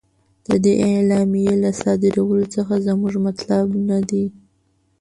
د دې اعلامیې له صادرولو څخه زموږ مطلب نه دی.